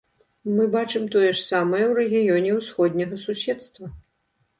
Мы бачым тое ж самае ў рэгіёне ўсходняга суседства.